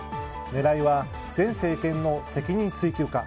狙いは前政権の責任追及か。